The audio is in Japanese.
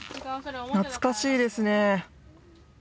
懐かしいですね。